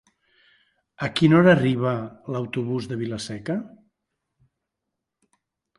A quina hora arriba l'autobús de Vila-seca?